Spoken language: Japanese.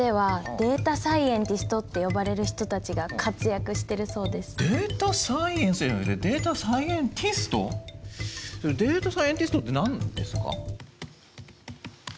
データサイエンティストって何ですか？